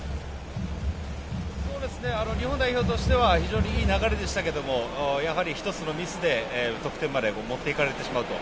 日本代表としては非常にいい流れでしたがやはり１つのミスで得点まで持っていかれてしまうと。